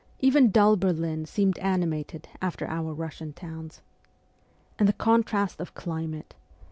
Even dull Berlin seemed animated after our Eussian towns. And the contrast of climate